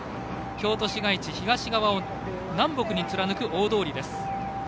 京都市街地の東側を南北に貫く大通りです。